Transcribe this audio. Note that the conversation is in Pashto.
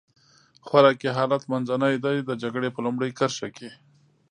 خوراکي حالت منځنی دی، د جګړې په لومړۍ کرښه کې.